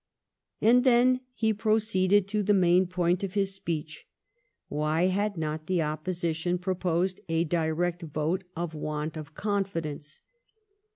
And then he proceeded to the main point of his speech. Why had not the Opposition proposed a direct vote of want of confidence